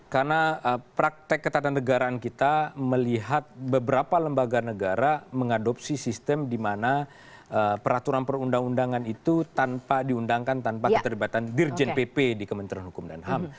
karena praktek ketatanegaraan kita melihat beberapa lembaga negara mengadopsi sistem di mana peraturan perundang undangan itu tanpa diundangkan tanpa keterlibatan dirjen pp di kementerian hukum dan ham